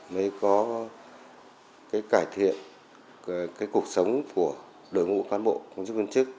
mới có cái cải thiện cái cuộc sống của đội ngũ cán bộ công chức viên chức